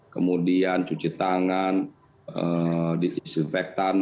kemudian cuci tangan disinfektan